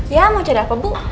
ya mau cari apa bu